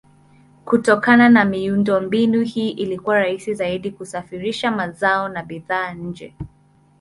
Kutokana na miundombinu hii ilikuwa rahisi zaidi kusafirisha mazao na bidhaa nje.